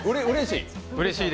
うれしい？